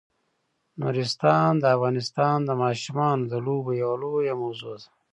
نورستان د افغانستان د ماشومانو د لوبو یوه لویه موضوع ده.